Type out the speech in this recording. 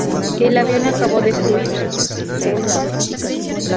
El avión acabó destruido.